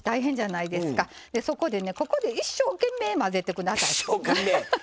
ここで一生懸命、混ぜてください。